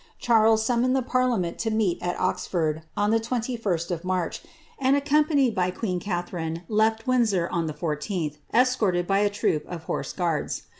Charles summoned the parliament to ned at Oxford, on the 2 1 st of March, and, accompanied by queen Cathansei left Windsor on the 14th, escorted by a troop of horse guards.